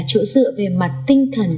chỗ dựa về mặt tinh thần